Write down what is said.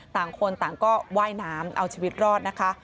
ต่างคนต่างก็ว่ายน้ำเอาชีวิตรอดนะคะ